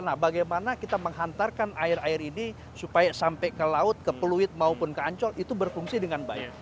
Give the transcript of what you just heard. nah bagaimana kita menghantarkan air air ini supaya sampai ke laut ke peluit maupun ke ancol itu berfungsi dengan baik